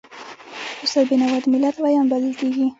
استاد بینوا د ملت ویاند بلل کېږي.